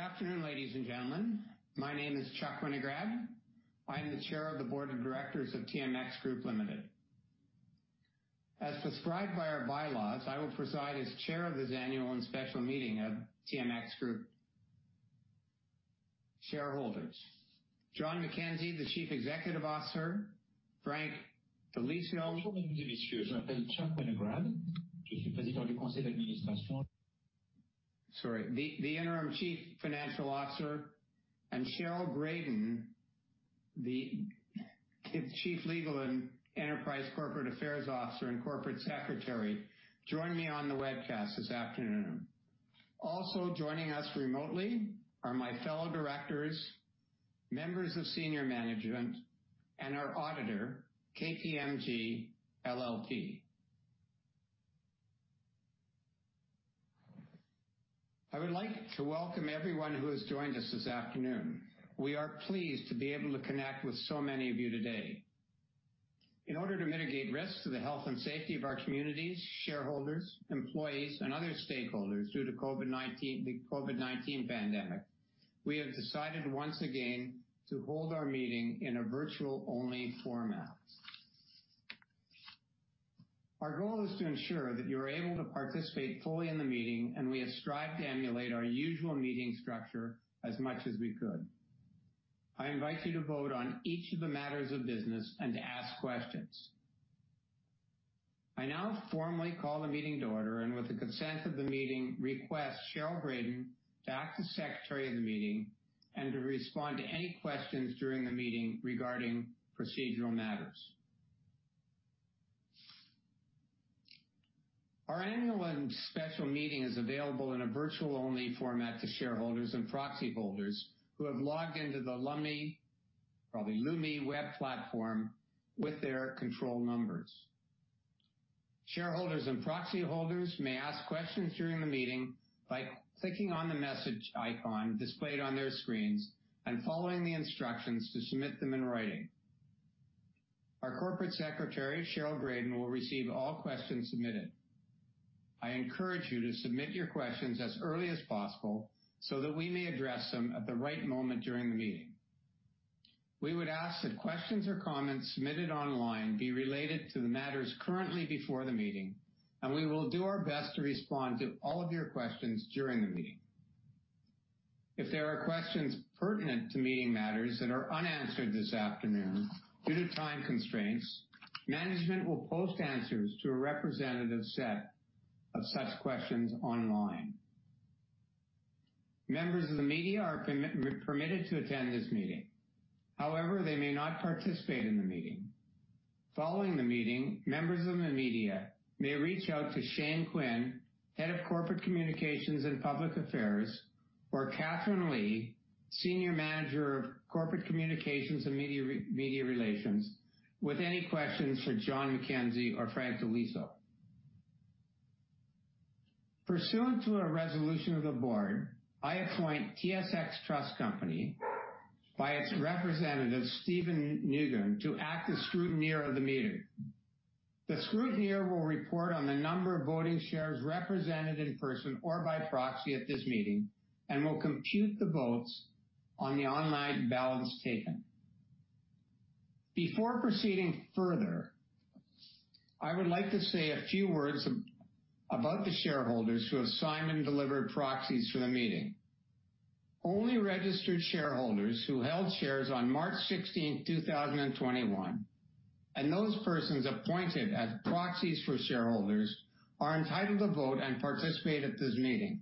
Good afternoon, ladies and gentlemen. My name is Charles Winograd. I'm the Chair of the Board of Directors of TMX Group Limited. As prescribed by our bylaws, I will preside as Chair of this Annual and Special Meeting of TMX Group Shareholders. John McKenzie, the Chief Executive Officer, Frank Di Liso. Sorry. The Interim Chief Financial Officer, and Cheryl Graden, the Chief Legal and Enterprise Corporate Affairs Officer and Corporate Secretary, join me on the webcast this afternoon. Also joining us remotely are my fellow directors, members of senior management, and our auditor, KPMG LLP. I would like to welcome everyone who has joined us this afternoon. We are pleased to be able to connect with so many of you today. In order to mitigate risks to the health and safety of our communities, shareholders, employees, and other stakeholders due to the COVID-19 pandemic, we have decided once again to hold our meeting in a virtual-only format. Our goal is to ensure that you're able to participate fully in the meeting, and we ascribe to emulate our usual meeting structure as much as we could. I invite you to vote on each of the matters of business and to ask questions. I now formally call the meeting to order, with the consent of the meeting, request Cheryl Graden to act as secretary of the meeting and to respond to any questions during the meeting regarding procedural matters. Our annual and special meeting is available in a virtual-only format to shareholders and proxy holders who have logged in to the Lumi web platform with their control numbers. Shareholders and proxy holders may ask questions during the meeting by clicking on the message icon displayed on their screens and following the instructions to submit them in writing. Our Corporate Secretary, Cheryl Graden, will receive all questions submitted. I encourage you to submit your questions as early as possible so that we may address them at the right moment during the meeting. We would ask that questions or comments submitted online be related to the matters currently before the meeting, and we will do our best to respond to all of your questions during the meeting. If there are questions pertinent to meeting matters that are unanswered this afternoon due to time constraints, management will post answers to a representative set of such questions online. Members of the media are permitted to attend this meeting. However, they may not participate in the meeting. Following the meeting, members of the media may reach out to Shane Quinn, Head of Corporate Communications and Public Affairs, or Catherine Kee, Senior Manager of Corporate Communications and Media Relations, with any questions for John McKenzie or Frank Di Liso. Pursuant to a resolution of the board, I appoint TSX Trust Company, by its representative, Steven Nugent, to act as scrutineer of the meeting. The scrutineer will report on the number of voting shares represented in person or by proxy at this meeting and will compute the votes on the online ballots taken. Before proceeding further, I would like to say a few words about the shareholders who have signed and delivered proxies for the meeting. Only registered shareholders who held shares on March 16th, 2021, and those persons appointed as proxies for shareholders are entitled to vote and participate at this meeting.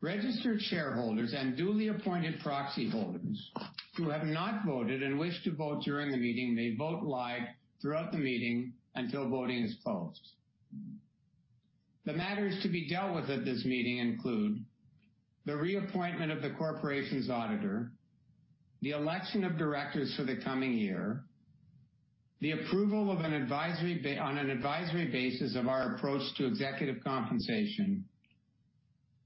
Registered shareholders and duly appointed proxy holders who have not voted and wish to vote during the meeting may vote live throughout the meeting until voting is closed. The matters to be dealt with at this meeting include the reappointment of the corporation's auditor, the election of directors for the coming year, the approval on an advisory basis of our approach to executive compensation,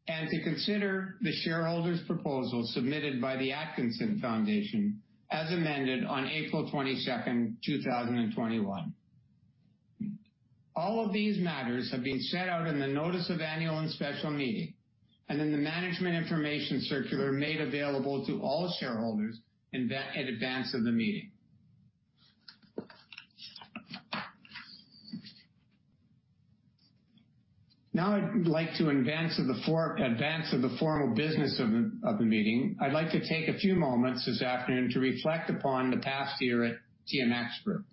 and to consider the shareholders' proposal submitted by the Atkinson Foundation, as amended on April 22nd, 2021. All of these matters have been set out in the notice of annual and special meeting and in the management information circular made available to all shareholders in advance of the meeting. In advance of the formal business of the meeting, I'd like to take a few moments this afternoon to reflect upon the past year at TMX Group.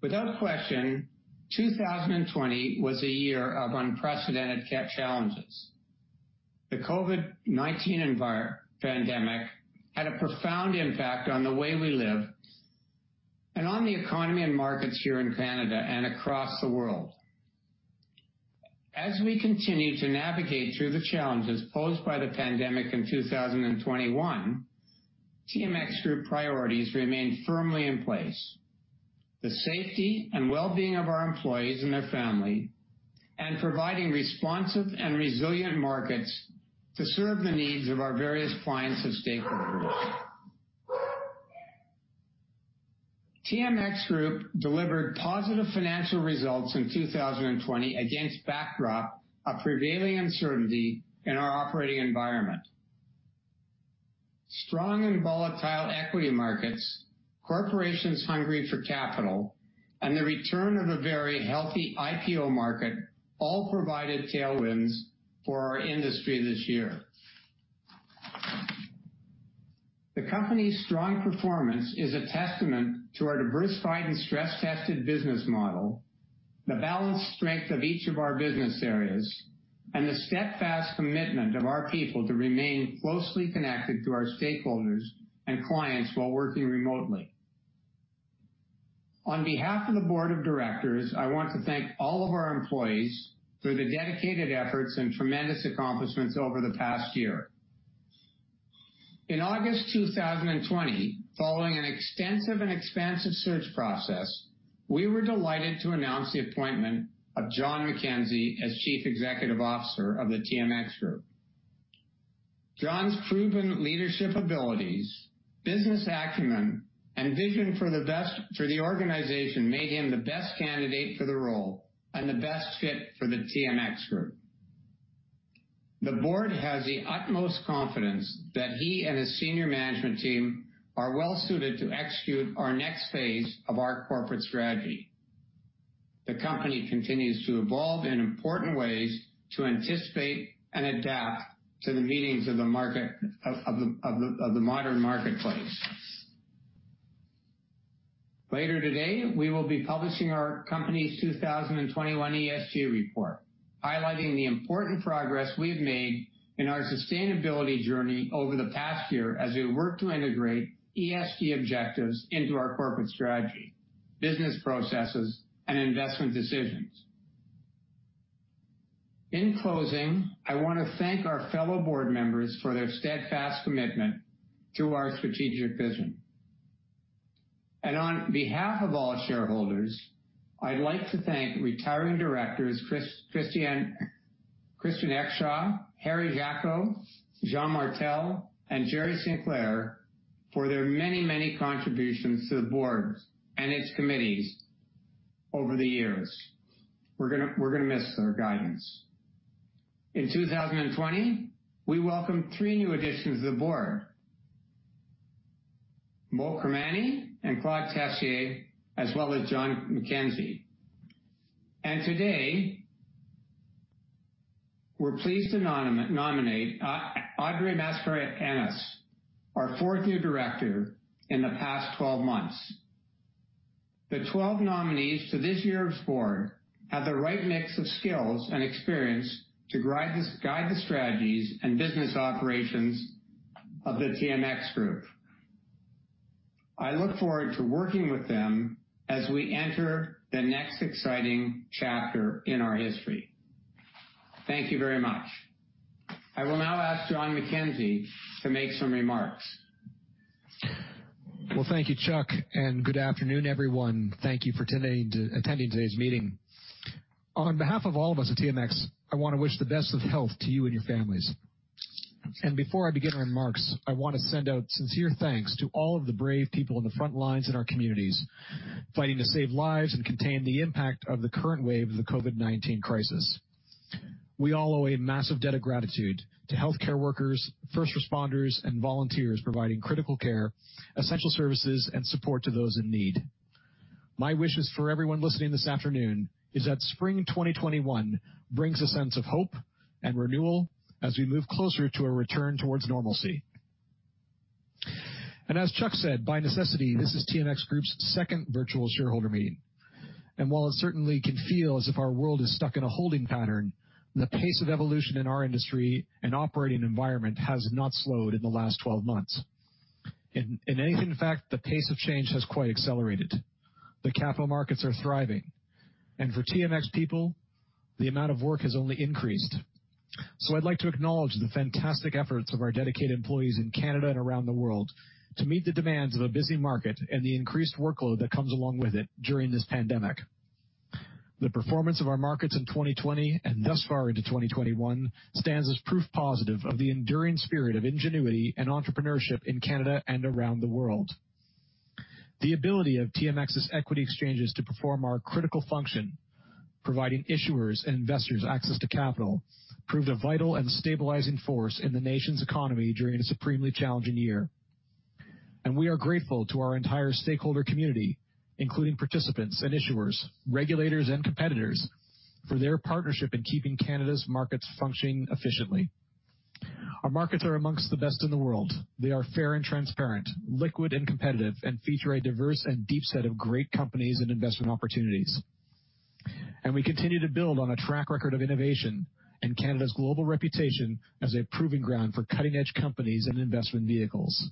Without question, 2020 was a year of unprecedented challenges. The COVID-19 pandemic had a profound impact on the way we live and on the economy and markets here in Canada and across the world. As we continue to navigate through the challenges posed by the pandemic in 2021, TMX Group priorities remain firmly in place. The safety and well-being of our employees and their family and providing responsive and resilient markets to serve the needs of our various clients and stakeholders. TMX Group delivered positive financial results in 2020 against backdrop of prevailing uncertainty in our operating environment. Strong and volatile equity markets, corporations hungry for capital, and the return of a very healthy IPO market all provided tailwinds for our industry this year. The company's strong performance is a testament to our diversified and stress-tested business model, the balanced strength of each of our business areas, and the steadfast commitment of our people to remain closely connected to our stakeholders and clients while working remotely. On behalf of the board of directors, I want to thank all of our employees for the dedicated efforts and tremendous accomplishments over the past year. In August 2020, following an extensive and expansive search process, we were delighted to announce the appointment of John McKenzie as Chief Executive Officer of the TMX Group. John's proven leadership abilities, business acumen, and vision for the organization made him the best candidate for the role and the best fit for the TMX Group. The board has the utmost confidence that he and his senior management team are well-suited to execute our next phase of our corporate strategy. The company continues to evolve in important ways to anticipate and adapt to the meetings of the modern marketplace. Later today, we will be publishing our company's 2021 ESG report, highlighting the important progress we've made in our sustainability journey over the past year as we work to integrate ESG objectives into our corporate strategy, business processes, and investment decisions. In closing, I want to thank our fellow board members for their steadfast commitment to our strategic vision. On behalf of all shareholders, I'd like to thank retiring directors Christian Exshaw, Harry Jaako, Jean Martel, and Gerri Sinclair for their many contributions to the board and its committees over the years. We're going to miss their guidance. In 2020, we welcomed three new additions to the board, Moe Kermani and Claude Tessier, as well as John McKenzie. Today, we're pleased to nominate Audrey Mascarenhas, our fourth new Director in the past 12 months. The 12 nominees to this year's board have the right mix of skills and experience to guide the strategies and business operations of the TMX Group. I look forward to working with them as we enter the next exciting chapter in our history. Thank you very much. I will now ask John McKenzie to make some remarks. Well, thank you, Chuck, and good afternoon, everyone. Thank you for attending today's meeting. On behalf of all of us at TMX, I want to wish the best of health to you and your families. Before I begin my remarks, I want to send out sincere thanks to all of the brave people on the front lines in our communities fighting to save lives and contain the impact of the current wave of the COVID-19 crisis. We all owe a massive debt of gratitude to healthcare workers, first responders, and volunteers providing critical care, essential services, and support to those in need. My wishes for everyone listening this afternoon is that spring 2021 brings a sense of hope and renewal as we move closer to a return towards normalcy. As Chuck said, by necessity, this is TMX Group's second virtual shareholder meeting. While it certainly can feel as if our world is stuck in a holding pattern, the pace of evolution in our industry and operating environment has not slowed in the last 12 months. In anything, in fact, the pace of change has quite accelerated. The capital markets are thriving. For TMX Group, the amount of work has only increased. I'd like to acknowledge the fantastic efforts of our dedicated employees in Canada and around the world to meet the demands of a busy market and the increased workload that comes along with it during this pandemic. The performance of our markets in 2020, and thus far into 2021, stands as proof positive of the enduring spirit of ingenuity and entrepreneurship in Canada and around the world. The ability of TMX's equity exchanges to perform our critical function, providing issuers and investors access to capital, proved a vital and stabilizing force in the nation's economy during a supremely challenging year. We are grateful to our entire stakeholder community, including participants and issuers, regulators and competitors, for their partnership in keeping Canada's markets functioning efficiently. Our markets are amongst the best in the world. They are fair and transparent, liquid and competitive, and feature a diverse and deep set of great companies and investment opportunities. We continue to build on a track record of innovation and Canada's global reputation as a proving ground for cutting-edge companies and investment vehicles.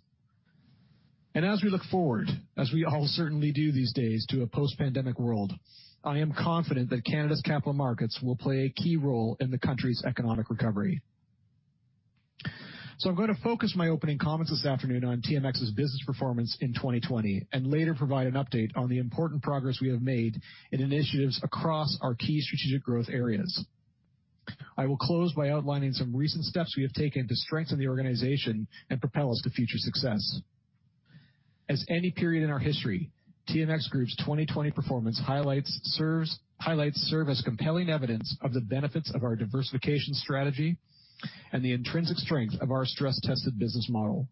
As we look forward, as we all certainly do these days, to a post-pandemic world, I am confident that Canada's capital markets will play a key role in the country's economic recovery. I'm going to focus my opening comments this afternoon on TMX's business performance in 2020 and later provide an update on the important progress we have made in initiatives across our key strategic growth areas. I will close by outlining some recent steps we have taken to strengthen the organization and propel us to future success. As any period in our history, TMX Group's 2020 performance highlights serve as compelling evidence of the benefits of our diversification strategy and the intrinsic strength of our stress-tested business model.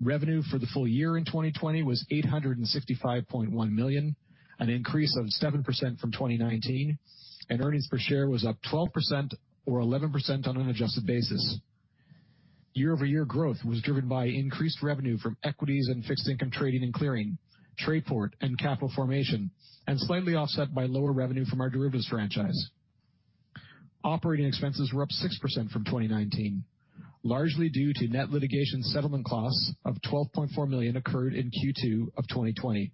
Revenue for the full year in 2020 was 865.1 million, an increase of 7% from 2019, and earnings per share was up 12% or 11% on an adjusted basis. Year-over-year growth was driven by increased revenue from equities and fixed income trading and clearing, Trayport, and capital formation, and slightly offset by lower revenue from our derivatives franchise. Operating expenses were up 6% from 2019, largely due to net litigation settlement costs of 12.4 million occurred in Q2 of 2020,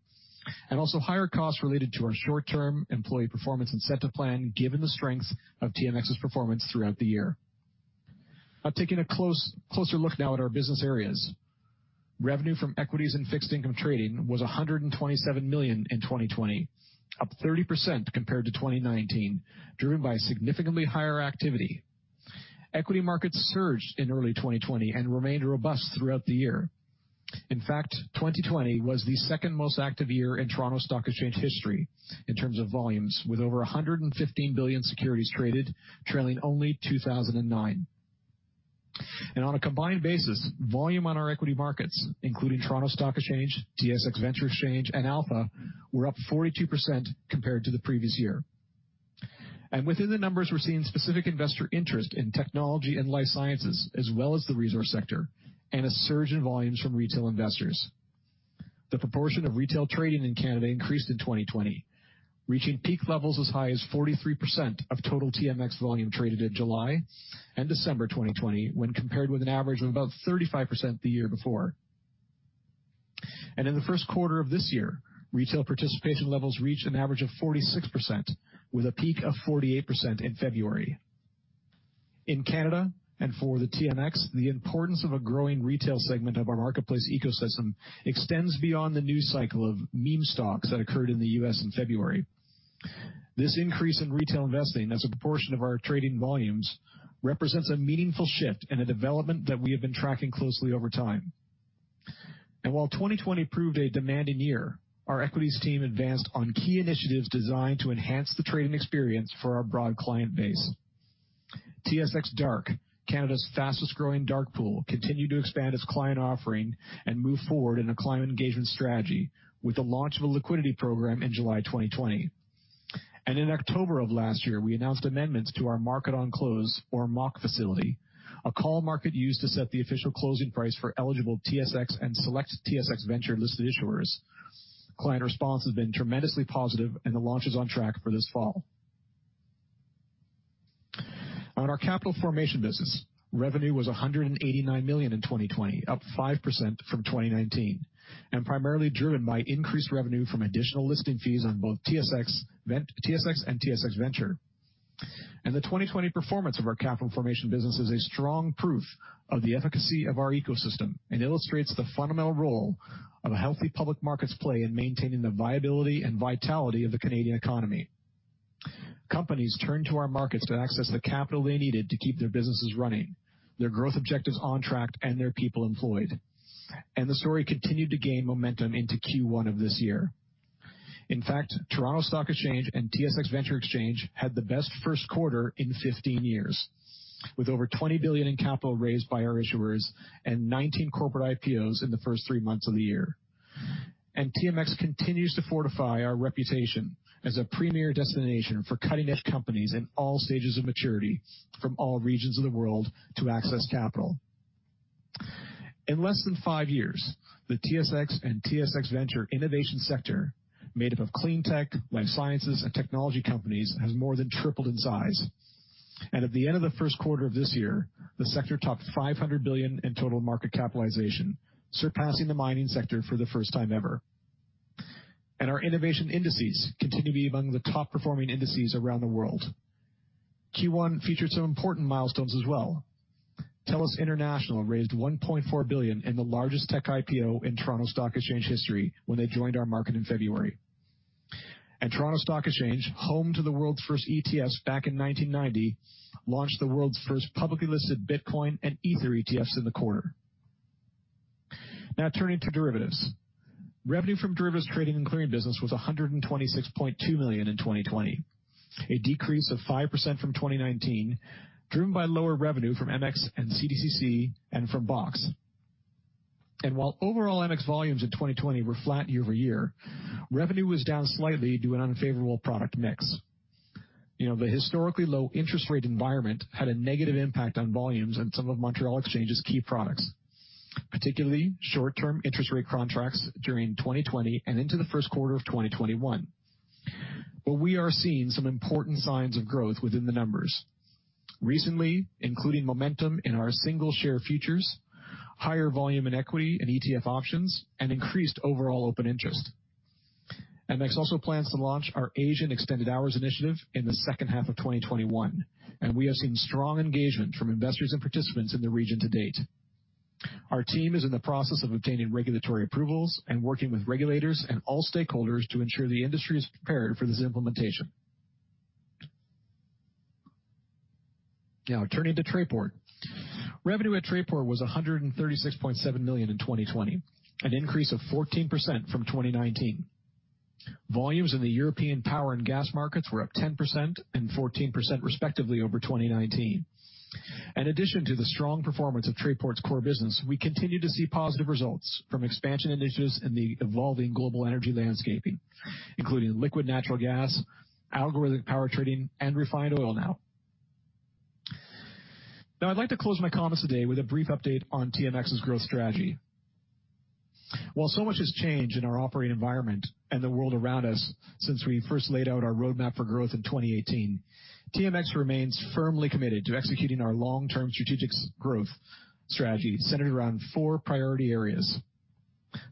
and also higher costs related to our short-term employee performance incentive plan, given the strength of TMX's performance throughout the year. Taking a closer look now at our business areas. Revenue from equities and fixed income trading was 127 million in 2020, up 30% compared to 2019, driven by significantly higher activity. Equity markets surged in early 2020 and remained robust throughout the year. 2020 was the second most active year in Toronto Stock Exchange history in terms of volumes, with over 115 billion securities traded, trailing only 2009. On a combined basis, volume on our equity markets, including Toronto Stock Exchange, TSX Venture Exchange and Alpha, were up 42% compared to the previous year. Within the numbers, we're seeing specific investor interest in technology and life sciences as well as the resource sector, and a surge in volumes from retail investors. The proportion of retail trading in Canada increased in 2020, reaching peak levels as high as 43% of total TMX volume traded in July and December 2020, when compared with an average of about 35% the year before. In the first quarter of this year, retail participation levels reached an average of 46%, with a peak of 48% in February. In Canada and for the TMX, the importance of a growing retail segment of our marketplace ecosystem extends beyond the news cycle of meme stocks that occurred in the U.S. in February. This increase in retail investing as a proportion of our trading volumes represents a meaningful shift and a development that we have been tracking closely over time. While 2020 proved a demanding year, our equities team advanced on key initiatives designed to enhance the trading experience for our broad client base. TSX DRK, Canada's fastest growing dark pool, continued to expand its client offering and move forward in a client engagement strategy with the launch of a liquidity program in July 2020. In October of last year, we announced amendments to our market on close or MOC facility, a call market used to set the official closing price for eligible TSX and select TSX Venture listed issuers. Client response has been tremendously positive and the launch is on track for this fall. On our capital formation business, revenue was 189 million in 2020, up 5% from 2019, and primarily driven by increased revenue from additional listing fees on both TSX and TSX Venture. The 2020 performance of our capital formation business is a strong proof of the efficacy of our ecosystem and illustrates the fundamental role of a healthy public markets play in maintaining the viability and vitality of the Canadian economy. Companies turn to our markets to access the capital they needed to keep their businesses running, their growth objectives on track, and their people employed. The story continued to gain momentum into Q1 of this year. In fact, Toronto Stock Exchange and TSX Venture Exchange had the best first quarter in 15 years with over 20 billion in capital raised by our issuers and 19 corporate IPOs in the first three months of the year. TMX continues to fortify our reputation as a premier destination for cutting-edge companies in all stages of maturity from all regions of the world to access capital. In less than five years, the TSX and TSX Venture innovation sector, made up of clean tech, life sciences and technology companies, has more than tripled in size. At the end of the first quarter of this year, the sector topped 500 billion in total market capitalization, surpassing the mining sector for the first time ever. Our innovation indices continue to be among the top performing indices around the world. Q1 featured some important milestones as well. TELUS International raised 1.4 billion in the largest tech IPO in Toronto Stock Exchange history when they joined our market in February. Toronto Stock Exchange, home to the world's first ETFs back in 1990, launched the world's first publicly listed Bitcoin and Ether ETFs in the quarter. Now turning to derivatives. Revenue from derivatives trading and clearing business was 126.2 million in 2020, a decrease of 5% from 2019, driven by lower revenue from MX and CDCC and from BOX. While overall MX volumes in 2020 were flat year-over-year, revenue was down slightly due to an unfavorable product mix. The historically low interest rate environment had a negative impact on volumes on some of Montreal Exchange's key products, particularly short-term interest rate contracts during 2020 and into the first quarter of 2021. We are seeing some important signs of growth within the numbers. Recently, including momentum in our single share futures, higher volume in equity and ETF options, and increased overall open interest. TMX also plans to launch our Asian extended hours initiative in the second half of 2021, and we have seen strong engagement from investors and participants in the region to date. Our team is in the process of obtaining regulatory approvals and working with regulators and all stakeholders to ensure the industry is prepared for this implementation. Turning to Trayport. Revenue at Trayport was 136.7 million in 2020, an increase of 14% from 2019. Volumes in the European power and gas markets were up 10% and 14% respectively over 2019. In addition to the strong performance of Trayport's core business, we continue to see positive results from expansion initiatives in the evolving global energy landscaping, including liquid natural gas, algorithmic power trading, and refined oil. I'd like to close my comments today with a brief update on TMX's growth strategy. While so much has changed in our operating environment and the world around us since we first laid out our roadmap for growth in 2018, TMX remains firmly committed to executing our long-term strategic growth strategy centered around four priority areas.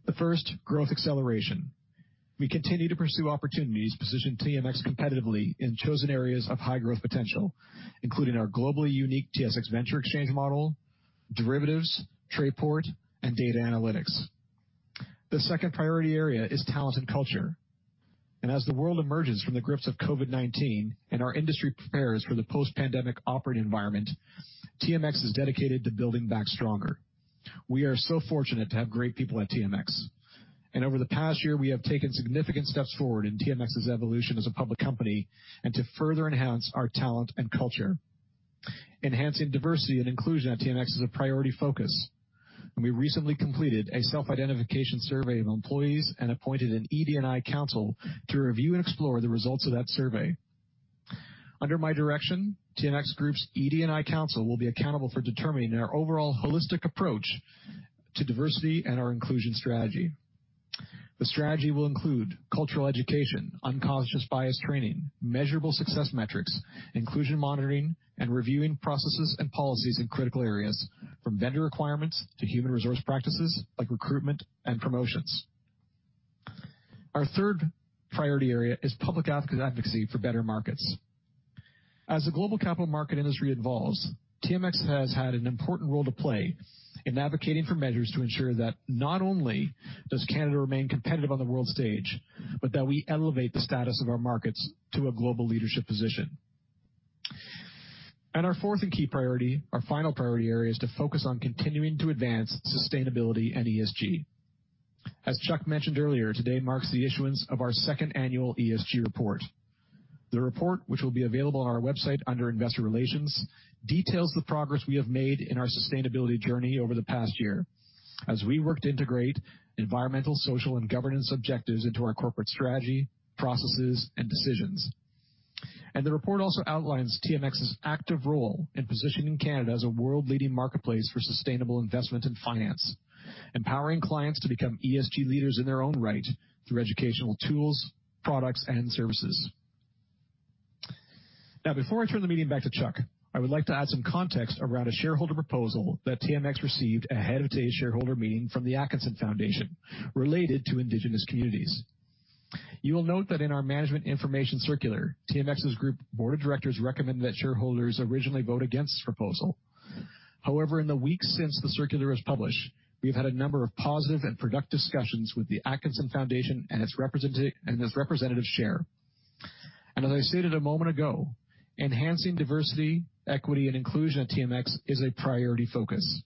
The first, growth acceleration. We continue to pursue opportunities to position TMX competitively in chosen areas of high growth potential, including our globally unique TSX Venture Exchange model, derivatives, Trayport, and data analytics. The second priority area is talent and culture. As the world emerges from the grips of COVID-19 and our industry prepares for the post-pandemic operating environment, TMX is dedicated to building back stronger. We are so fortunate to have great people at TMX, and over the past year, we have taken significant steps forward in TMX's evolution as a public company and to further enhance our talent and culture. Enhancing diversity and inclusion at TMX is a priority focus, and we recently completed a self-identification survey of employees and appointed an ED&I Council to review and explore the results of that survey. Under my direction, TMX Group's ED&I Council will be accountable for determining our overall holistic approach to diversity and our inclusion strategy. The strategy will include cultural education, unconscious bias training, measurable success metrics, inclusion monitoring, and reviewing processes and policies in critical areas from vendor requirements to human resource practices like recruitment and promotions. Our third priority area is public advocacy for better markets. As the global capital market industry evolves, TMX has had an important role to play in advocating for measures to ensure that not only does Canada remain competitive on the world stage, but that we elevate the status of our markets to a global leadership position. Our fourth and key priority, our final priority area, is to focus on continuing to advance sustainability and ESG. As Chuck mentioned earlier, today marks the issuance of our second annual ESG report. The report, which will be available on our website under Investor Relations, details the progress we have made in our sustainability journey over the past year as we work to integrate environmental, social, and governance objectives into our corporate strategy, processes, and decisions. The report also outlines TMX's active role in positioning Canada as a world-leading marketplace for sustainable investment and finance, empowering clients to become ESG leaders in their own right through educational tools, products, and services. Now, before I turn the meeting back to Chuck, I would like to add some context around a shareholder proposal that TMX received ahead of today's shareholder meeting from the Atkinson Foundation related to Indigenous communities. You will note that in our management information circular, TMX Group's Board of Directors recommended that shareholders originally vote against this proposal. However, in the weeks since the circular was published, we've had a number of positive and productive discussions with the Atkinson Foundation and its representative SHARE. As I stated a moment ago, enhancing diversity, equity, and inclusion at TMX is a priority focus.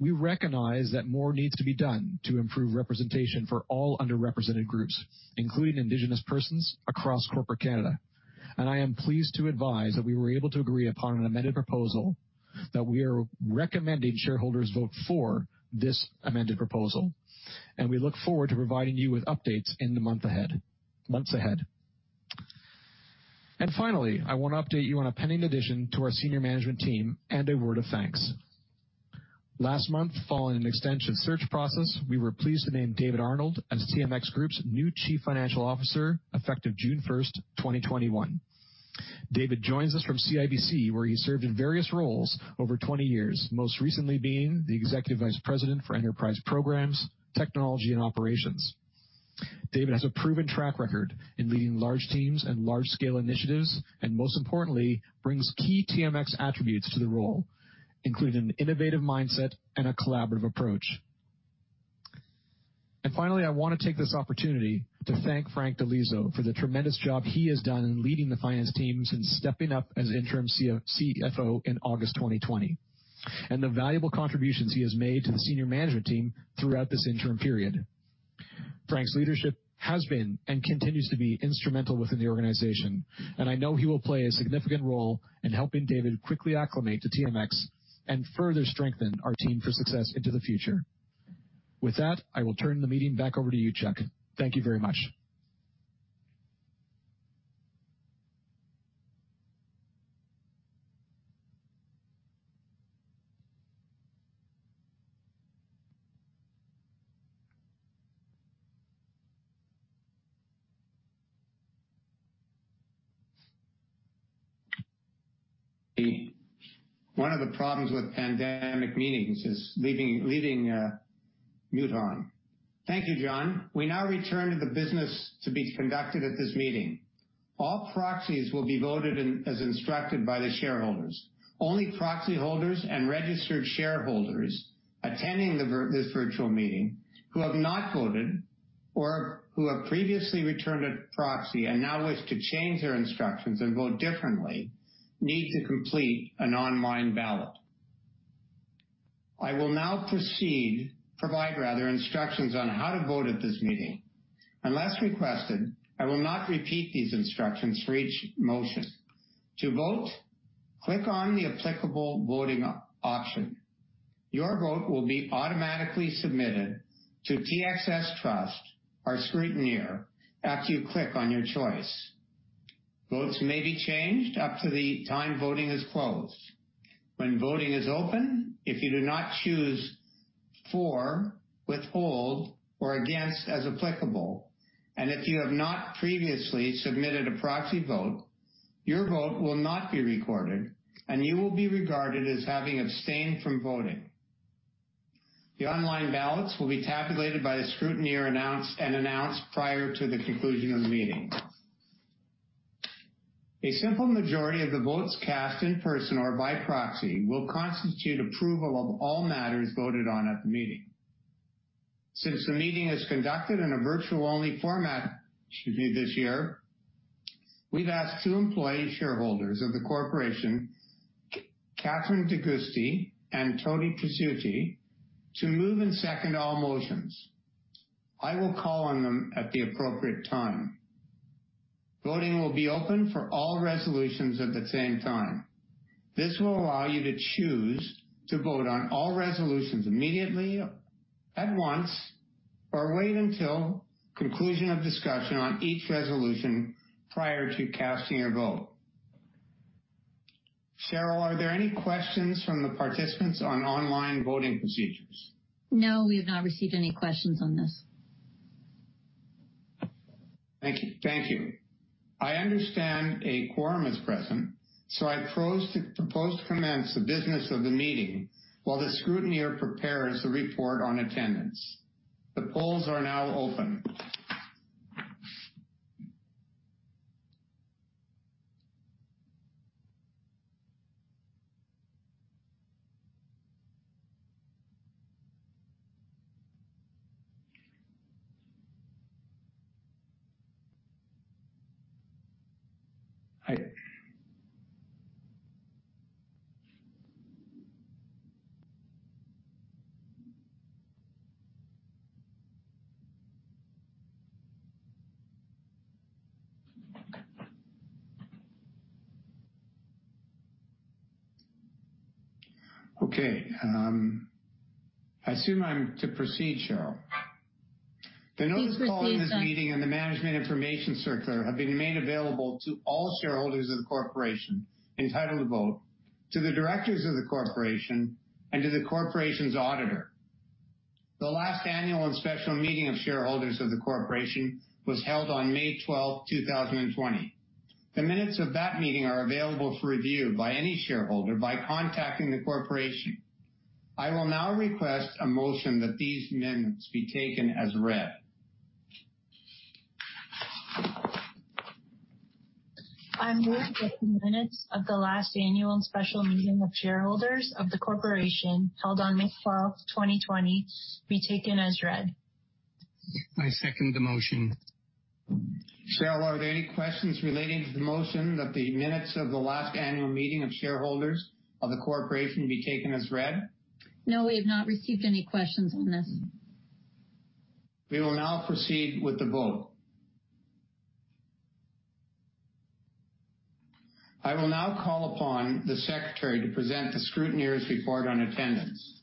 We recognize that more needs to be done to improve representation for all underrepresented groups, including Indigenous persons across corporate Canada. I am pleased to advise that we were able to agree upon an amended proposal that we are recommending shareholders vote for this amended proposal. We look forward to providing you with updates in the months ahead. Finally, I want to update you on a pending addition to our senior management team and a word of thanks. Last month, following an extensive search process, we were pleased to name David Arnold as TMX Group's new Chief Financial Officer, effective June 1st, 2021. David joins us from CIBC, where he served in various roles over 20 years, most recently being the Executive Vice President for Enterprise Programs, Technology, and Operations. David has a proven track record in leading large teams and large-scale initiatives, most importantly, brings key TMX attributes to the role, including an innovative mindset and a collaborative approach. Finally, I want to take this opportunity to thank Frank Di Liso for the tremendous job he has done in leading the finance team since stepping up as interim CFO in August 2020 and the valuable contributions he has made to the senior management team throughout this interim period. Frank's leadership has been and continues to be instrumental within the organization, and I know he will play a significant role in helping David quickly acclimate to TMX and further strengthen our team for success into the future. With that, I will turn the meeting back over to you, Chuck. Thank you very much. One of the problems with pandemic meetings is leaving mute on. Thank you, John. We now return to the business to be conducted at this meeting. All proxies will be voted as instructed by the shareholders. Only proxy holders and registered shareholders attending this virtual meeting who have not voted or who have previously returned a proxy and now wish to change their instructions and vote differently, need to complete an online ballot. I will now proceed, provide rather, instructions on how to vote at this meeting. Unless requested, I will not repeat these instructions for each motion. To vote, click on the applicable voting option. Your vote will be automatically submitted to TSX Trust, our scrutineer, after you click on your choice. Votes may be changed up to the time voting is closed. When voting is open, if you do not choose for, withhold, or against as applicable, and if you have not previously submitted a proxy vote, your vote will not be recorded, and you will be regarded as having abstained from voting. The online ballots will be tabulated by the scrutineer and announced prior to the conclusion of the meeting. A simple majority of the votes cast in person or by proxy will constitute approval of all matters voted on at the meeting. Since the meeting is conducted in a virtual-only format this year, we've asked two employee shareholders of the corporation, Catherine De Giusti and Tony Scilipoti, to move and second all motions. I will call on them at the appropriate time. Voting will be open for all resolutions at the same time. This will allow you to choose to vote on all resolutions immediately, at once, or wait until conclusion of discussion on each resolution prior to casting your vote. Cheryl, are there any questions from the participants on online voting procedures? No, we have not received any questions on this. Thank you. I understand a quorum is present. I propose to commence the business of the meeting while the scrutineer prepares the report on attendance. The polls are now open. Hi there. Okay. I assume I'm to proceed, Cheryl. Please proceed, Charles. The notice called in this meeting and the management information circular have been made available to all shareholders of the corporation entitled to vote, to the directors of the corporation, and to the corporation's auditor. The last annual and special meeting of shareholders of the corporation was held on May 12th, 2020. The minutes of that meeting are available for review by any shareholder by contacting the corporation. I will now request a motion that these minutes be taken as read. I move that the minutes of the last Annual and Special Meeting of Shareholders of the Corporation held on May 12th, 2020, be taken as read. I second the motion. Cheryl, are there any questions relating to the motion that the minutes of the last annual meeting of shareholders of the corporation be taken as read? No, we have not received any questions on this. We will now proceed with the vote. I will now call upon the secretary to present the scrutineer's report on attendance.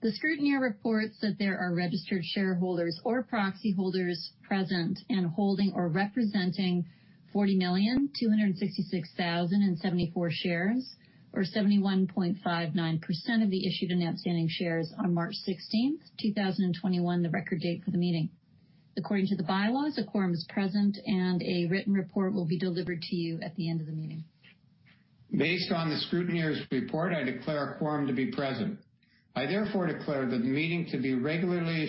The scrutineer reports that there are registered shareholders or proxy holders present and holding or representing 40,266,074 shares or 71.59% of the issued and outstanding shares on March 16th, 2021, the record date for the meeting. According to the bylaws, a quorum is present, and a written report will be delivered to you at the end of the meeting. Based on the scrutineer's report, I declare a quorum to be present. I therefore declare that the meeting is to be regularly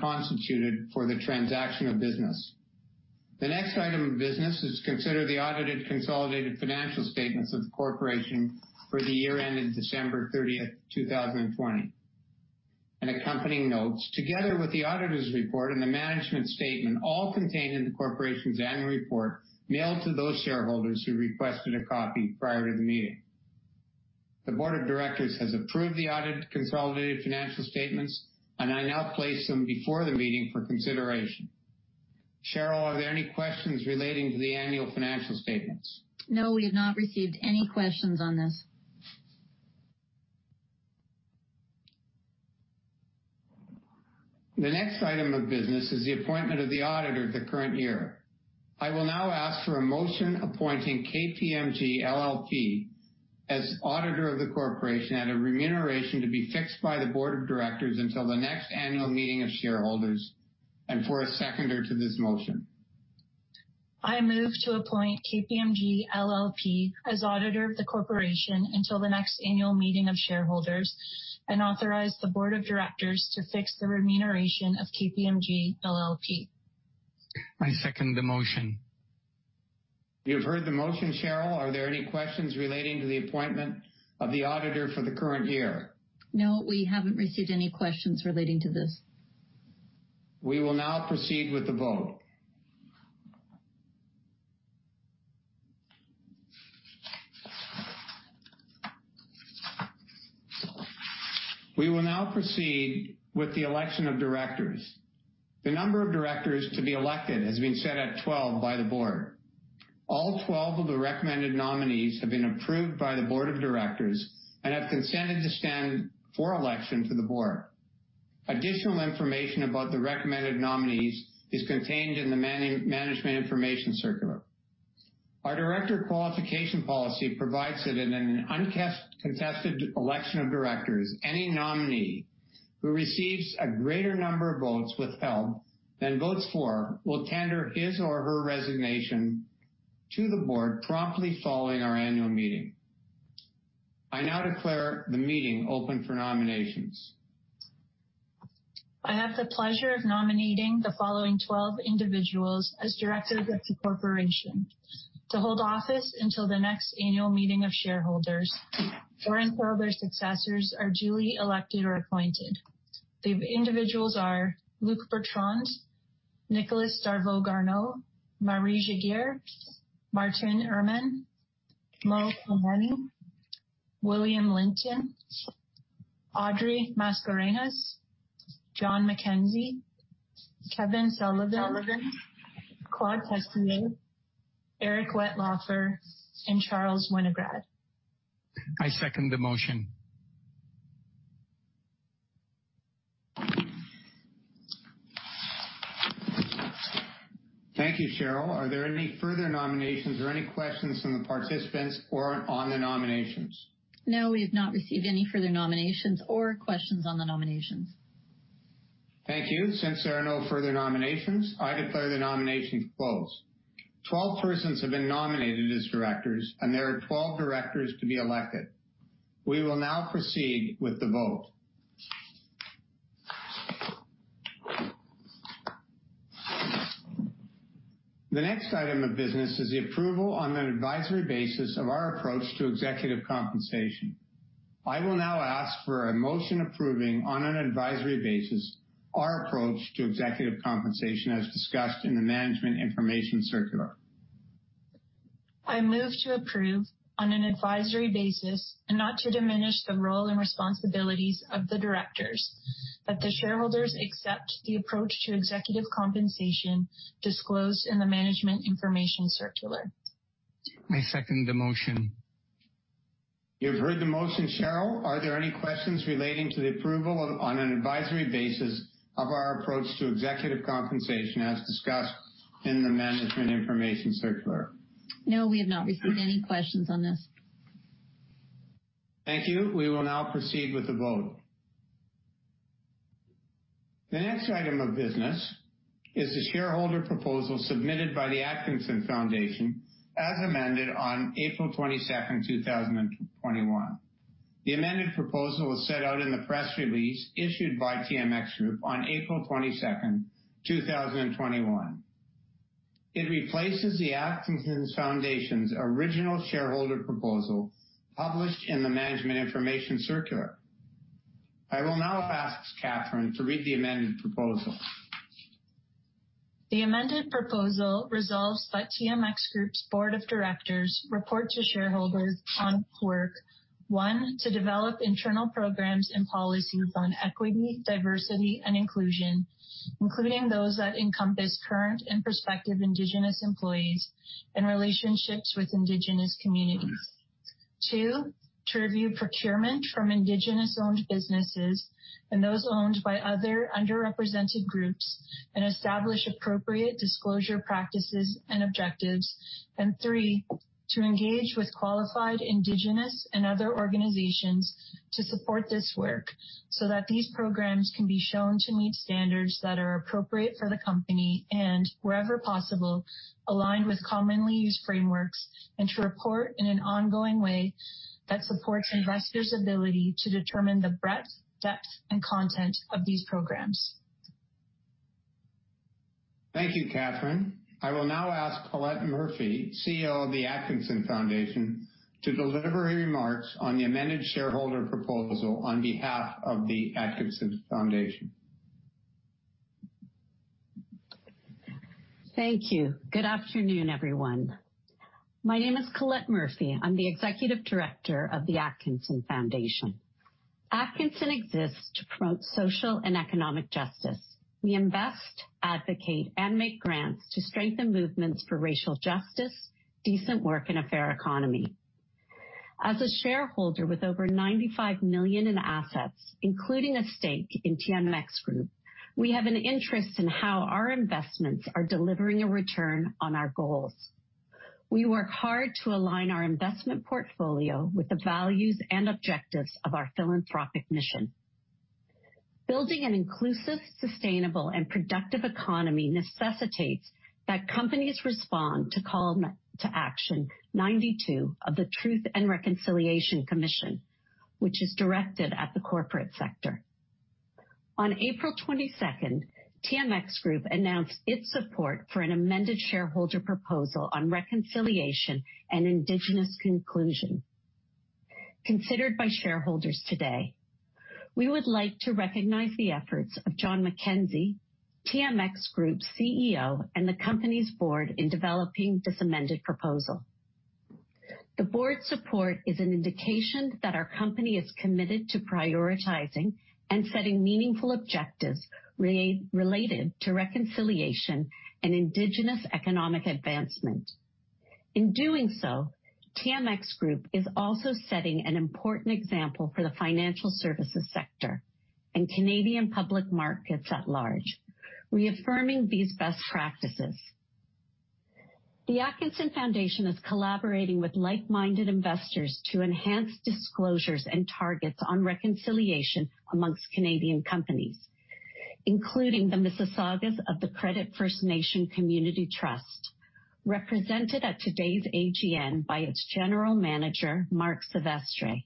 constituted for the transaction of business. The next item of business is to consider the audited consolidated financial statements of the corporation for the year ended December 30th, 2020, and accompanying notes, together with the auditor's report and the management statement, all contained in the corporation's annual report mailed to those shareholders who requested a copy prior to the meeting. The board of directors has approved the audited consolidated financial statements, and I now place them before the meeting for consideration. Cheryl, are there any questions relating to the annual financial statements? No, we have not received any questions on this. The next item of business is the appointment of the auditor of the current year. I will now ask for a motion appointing KPMG LLP as Auditor of the corporation at a remuneration to be fixed by the board of directors until the next annual meeting of shareholders, and for a seconder to this motion. I move to appoint KPMG LLP as Auditor of the corporation until the next annual meeting of shareholders and authorize the board of directors to fix the remuneration of KPMG LLP. I second the motion. You've heard the motion, Cheryl. Are there any questions relating to the appointment of the auditor for the current year? No, we haven't received any questions relating to this. We will now proceed with the vote. We will now proceed with the election of directors. The number of directors to be elected has been set at 12 by the board. All 12 of the recommended nominees have been approved by the board of directors and have consented to stand for election to the board. Additional information about the recommended nominees is contained in the management information circular. Our director qualification policy provides that in an uncontested election of directors, any nominee who receives a greater number of votes withheld than votes for will tender his or her resignation to the board promptly following our Annual Meeting. I now declare the meeting open for nominations. I have the pleasure of nominating the following 12 individuals as directors of the corporation to hold office until the next annual meeting of shareholders or until their successors are duly elected or appointed. The individuals are Luc Bertrand, Nicolas Darveau-Garneau, Marie Giguère, Martine Irman, Moe Kermani, William Linton, Audrey Mascarenhas, John McKenzie, Kevin Sullivan, Claude Tessier, Eric Wetlaufer, and Charles Winograd. I second the motion. Thank you, Cheryl. Are there any further nominations or any questions from the participants or on the nominations? No, we have not received any further nominations or questions on the nominations. Thank you. Since there are no further nominations, I declare the nominations closed. 12 persons have been nominated as directors, and there are 12 directors to be elected. We will now proceed with the vote. The next item of business is the approval on an advisory basis of our approach to executive compensation. I will now ask for a motion approving on an advisory basis our approach to executive compensation as discussed in the management information circular. I move to approve on an advisory basis and not to diminish the role and responsibilities of the directors that the shareholders accept the approach to executive compensation disclosed in the management information circular. I second the motion. You've heard the motion, Cheryl. Are there any questions relating to the approval on an advisory basis of our approach to executive compensation as discussed in the management information circular? No, we have not received any questions on this. Thank you. We will now proceed with the vote. The next item of business is the shareholder proposal submitted by the Atkinson Foundation as amended on April 22, 2021. The amended proposal was set out in the press release issued by TMX Group on April 22, 2021. It replaces the Atkinson Foundation's original shareholder proposal published in the management information circular. I will now ask Catherine to read the amended proposal. The amended proposal resolves that TMX Group's board of directors report to shareholders on work, one, to develop internal programs and policies on equity, diversity, and inclusion, including those that encompass current and prospective Indigenous employees and relationships with Indigenous communities. Two, to review procurement from Indigenous-owned businesses and those owned by other underrepresented groups and establish appropriate disclosure practices and objectives. Three, to engage with qualified Indigenous and other organizations to support this work so that these programs can be shown to meet standards that are appropriate for the company and wherever possible, aligned with commonly used frameworks, and to report in an ongoing way that supports investors' ability to determine the breadth, depth, and content of these programs. Thank you, Catherine. I will now ask Colette Murphy, CEO of the Atkinson Foundation, to deliver her remarks on the amended shareholder proposal on behalf of the Atkinson Foundation. Thank you. Good afternoon, everyone. My name is Colette Murphy. I'm the Executive Director of the Atkinson Foundation. Atkinson exists to promote social and economic justice. We invest, advocate, and make grants to strengthen movements for racial justice, decent work, and a fair economy. As a shareholder with over 95 million in assets, including a stake in TMX Group, we have an interest in how our investments are delivering a return on our goals. We work hard to align our investment portfolio with the values and objectives of our philanthropic mission. Building an inclusive, sustainable, and productive economy necessitates that companies respond to Call to Action 92 of the Truth and Reconciliation Commission, which is directed at the corporate sector. On April 22nd, TMX Group announced its support for an amended shareholder proposal on reconciliation and Indigenous conclusion considered by shareholders today. We would like to recognize the efforts of John McKenzie, TMX Group's CEO, and the company's board in developing this amended proposal. The board's support is an indication that our company is committed to prioritizing and setting meaningful objectives related to reconciliation and Indigenous economic advancement. In doing so, TMX Group is also setting an important example for the financial services sector and Canadian public markets at large, reaffirming these best practices. The Atkinson Foundation is collaborating with like-minded investors to enhance disclosures and targets on reconciliation amongst Canadian companies, including the Mississaugas of the Credit First Nation Community Trust, represented at today's AGM by its General Manager, Mark Sevestre.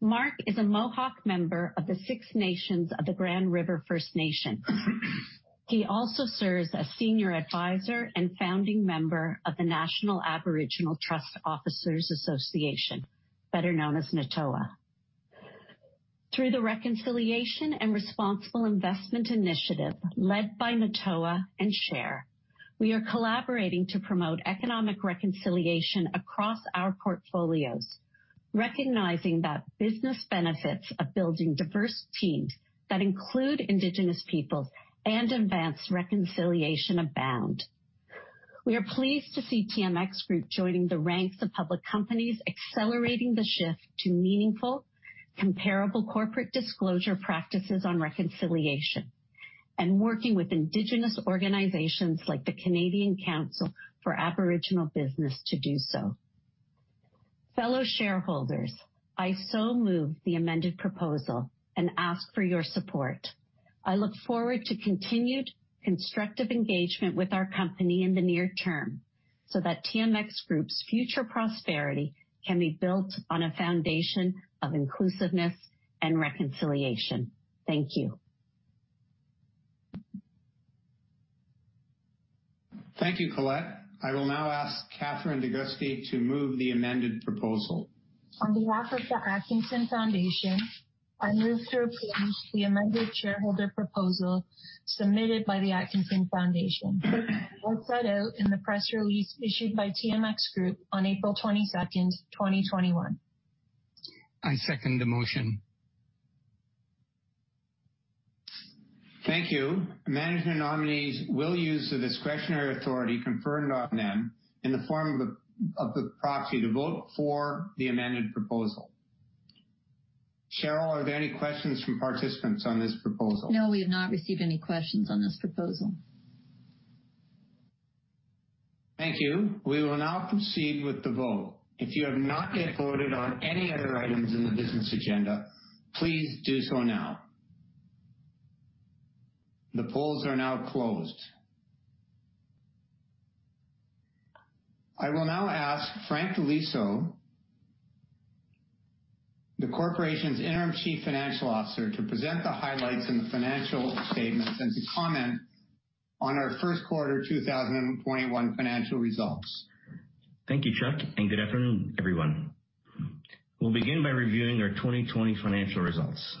Mark is a Mohawk member of the Six Nations of the Grand River. He also serves as Senior Advisor and Founding Member of the National Aboriginal Trust Officers Association, better known as NATOA. Through the Reconciliation and Responsible Investment Initiative led by NATOA and SHARE, we are collaborating to promote economic reconciliation across our portfolios, recognizing that business benefits of building diverse teams that include Indigenous peoples and advance reconciliation abound. We are pleased to see TMX Group joining the ranks of public companies accelerating the shift to meaningful, comparable corporate disclosure practices on reconciliation and working with Indigenous organizations like the Canadian Council for Aboriginal Business to do so. Fellow shareholders, I so move the amended proposal and ask for your support. I look forward to continued constructive engagement with our company in the near term so that TMX Group's future prosperity can be built on a foundation of inclusiveness and reconciliation. Thank you. Thank you, Colette. I will now ask Catherine De Giusti move the amended proposal. On behalf of the Atkinson Foundation, I move to approve the amended shareholder proposal submitted by the Atkinson Foundation, as set out in the press release issued by TMX Group on April 22nd, 2021. I second the motion. Thank you. Management nominees will use the discretionary authority conferred on them in the form of the proxy to vote for the amended proposal. Cheryl, are there any questions from participants on this proposal? No, we have not received any questions on this proposal. Thank you. We will now proceed with the vote. If you have not yet voted on any other items in the business agenda, please do so now. The polls are now closed. I will now ask Frank Di Liso, the corporation's Interim Chief Financial Officer, to present the highlights in the financial statements and to comment on our first quarter 2021 financial results. Thank you, Chuck. Good afternoon, everyone. We'll begin by reviewing our 2020 financial results.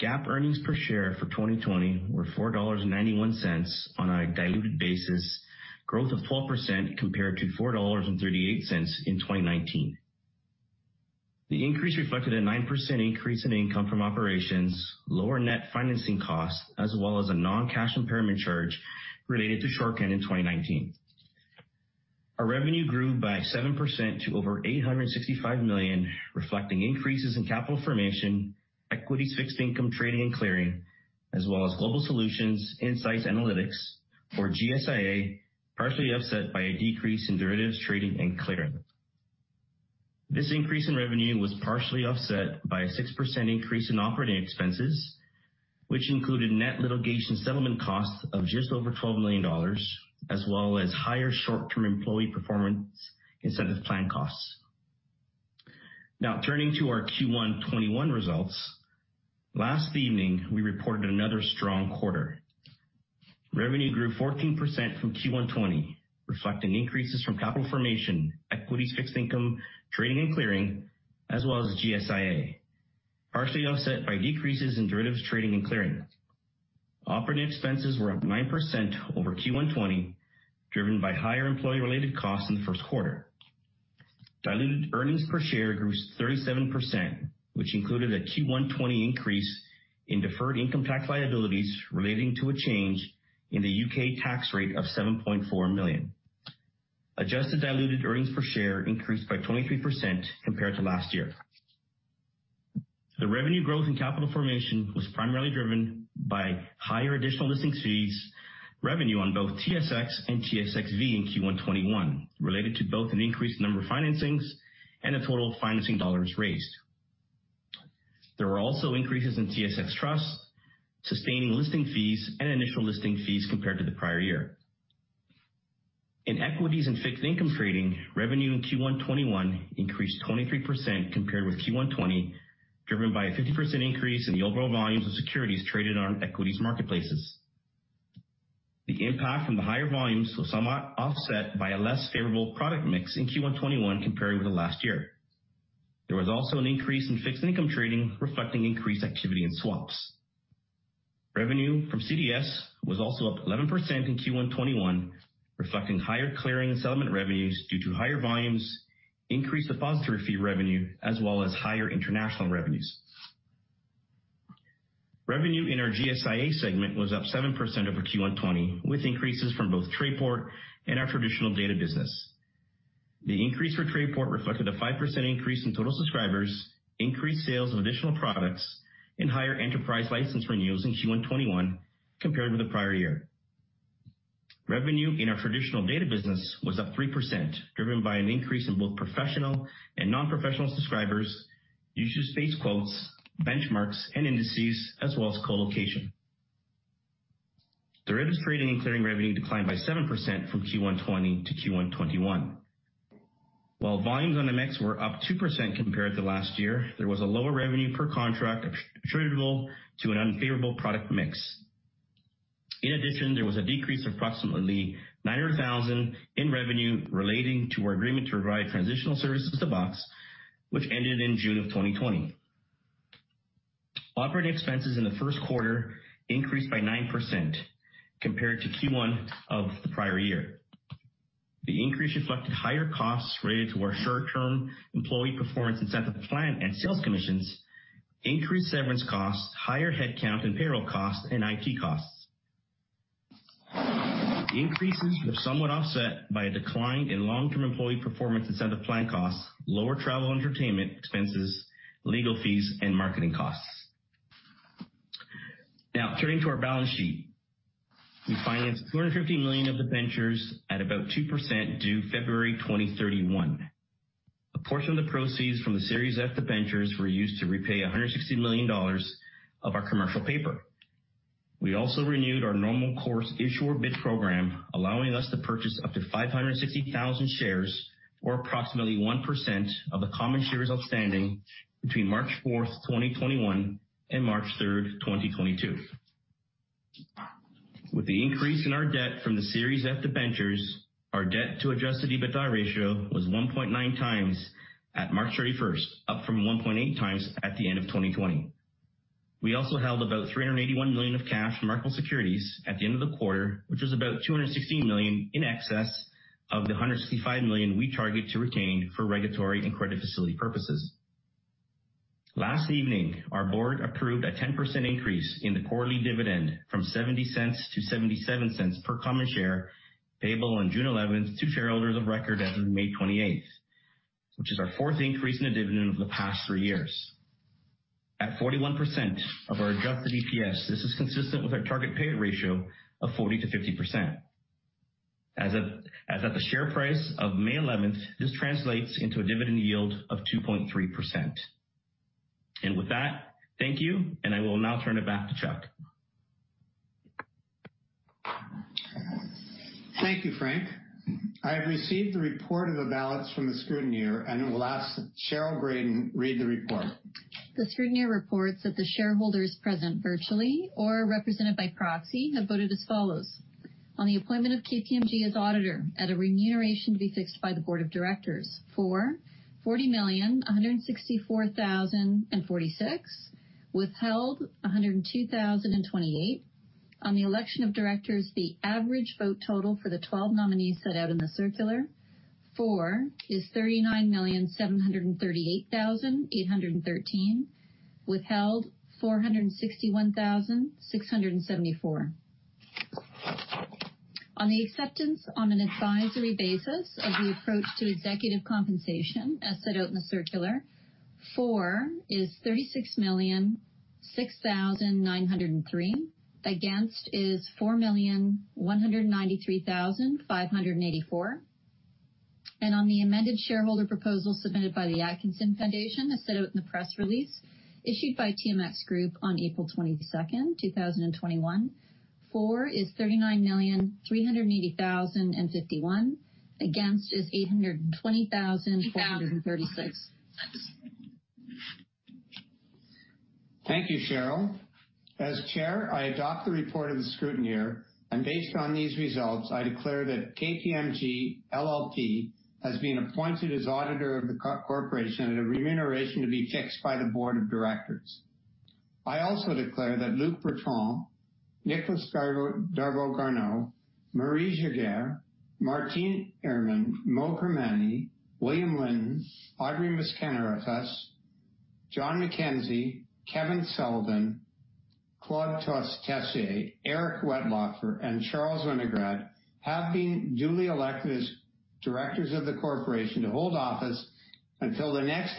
GAAP earnings per share for 2020 were 4.91 dollars on a diluted basis, growth of 4% compared to 4.38 dollars in 2019. The increase reflected a 9% increase in income from operations, lower net financing costs, a non-cash impairment charge related to Shorcan in 2019. Our revenue grew by 7% to over 865 million, reflecting increases in capital formation, equities, fixed income trading and clearing, Global Solutions, Insights and Analytics, or GSIA, partially offset by a decrease in derivatives trading and clearing. This increase in revenue was partially offset by a 6% increase in operating expenses, which included net litigation settlement costs of just over 12 million dollars, higher short-term employee performance incentive plan costs. Turning to our Q1 2021 results. Last evening, we reported another strong quarter. Revenue grew 14% from Q1 2020, reflecting increases from capital formation, equities, fixed income, trading and clearing, as well as GSIA, partially offset by decreases in derivatives trading and clearing. Operating expenses were up 9% over Q1 2020, driven by higher employee-related costs in the first quarter. Diluted earnings per share grew 37%, which included a Q1 2020 increase in deferred income tax liabilities relating to a change in the U.K. tax rate of 7.4 million. Adjusted diluted earnings per share increased by 23% compared to last year. The revenue growth in capital formation was primarily driven by higher additional listing fees revenue on both TSX and TSXV in Q1 2021, related to both an increased number of financings and the total financing dollars raised. There were also increases in TSX Trust, sustaining listing fees and initial listing fees compared to the prior year. In equities and fixed income trading, revenue in Q1 2021 increased 23% compared with Q1 2020, driven by a 50% increase in the overall volumes of securities traded on equities marketplaces. The impact from the higher volumes was somewhat offset by a less favorable product mix in Q1 2021 compared with the last year. There was also an increase in fixed income trading, reflecting increased activity in swaps. Revenue from CDS was also up 11% in Q1 2021, reflecting higher clearing and settlement revenues due to higher volumes, increased depository fee revenue, as well as higher international revenues. Revenue in our GSIA segment was up 7% over Q1 2020, with increases from both Trayport and our traditional data business. The increase for Trayport reflected a 5% increase in total subscribers, increased sales of additional products, and higher enterprise license renewals in Q1 2021 compared with the prior year. Revenue in our traditional data business was up 3%, driven by an increase in both professional and non-professional subscribers, usage-based quotes, benchmarks, and indices, as well as colocation. Derivatives trading and clearing revenue declined by 7% from Q1 2020 to Q1 2021. While volumes on the Montreal Exchange were up 2% compared to last year, there was a lower revenue per contract attributable to an unfavorable product mix. In addition, there was a decrease of approximately 900,000 in revenue relating to our agreement to provide transitional services to BOX, which ended in June of 2020. Operating expenses in the first quarter increased by 9% compared to Q1 of the prior year. The increase reflected higher costs related to our short-term employee performance incentive plan and sales commissions, increased severance costs, higher headcount and payroll costs, and IT costs. The increases were somewhat offset by a decline in long-term employee performance incentive plan costs, lower travel entertainment expenses, legal fees, and marketing costs. Turning to our balance sheet. We financed 250 million of debentures at about 2% due February 2031. A portion of the proceeds from the Series F debentures were used to repay 160 million dollars of our commercial paper. We also renewed our normal course issuer bid program, allowing us to purchase up to 560,000 shares or approximately 1% of the common shares outstanding between March 4th, 2021, and March 3rd, 2022. With the increase in our debt from the Series F debentures, our debt to adjusted EBITDA ratio was 1.9x at March 31st, up from 1.8x at the end of 2020. We also held about 381 million of cash and marketable securities at the end of the quarter, which was about 216 million in excess of the 165 million we target to retain for regulatory and credit facility purposes. Last evening, our board approved a 10% increase in the quarterly dividend from 0.70 to 0.77 per common share, payable on June 11th to shareholders of record as of May 28th, which is our fourth increase in the dividend over the past three years. At 41% of our adjusted EPS, this is consistent with our target payout ratio of 40%-50%. As of the share price of May 11th, this translates into a dividend yield of 2.3%. With that, thank you, and I will now turn it back to Chuck. Thank you, Frank. I have received the report of the ballots from the scrutineer, and will ask Cheryl Graden read the report. The scrutineer reports that the shareholders present virtually or represented by proxy have voted as follows: On the appointment of KPMG as auditor at a remuneration to be fixed by the board of directors. For 40,164,046, withheld 102,028. On the election of directors, the average vote total for the 12 nominees set out in the circular. For is 39,738,813, withheld 461,674. On the acceptance on an advisory basis of the approach to executive compensation, as set out in the circular. For is 36,006,903, against is 4,193,584. On the amended shareholder proposal submitted by the Atkinson Foundation, as set out in the press release issued by TMX Group on April 22nd, 2021. For is 39,380,051, against is 820,436. Thank you, Cheryl. As Chair, I adopt the report of the scrutineer, and based on these results, I declare that KPMG LLP has been appointed as auditor of the corporation at a remuneration to be fixed by the board of directors. I also declare that Luc Bertrand, Nicolas Darveau-Garneau, Marie Giguère, Martine Irman, Moe Kermani, William Linton, Audrey Mascarenhas, John McKenzie, Kevin Sullivan, Claude Tessier, Eric Wetlaufer, and Charles Winograd have been duly elected as Directors of the corporation to hold office until the next-